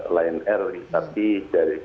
lain r tapi dari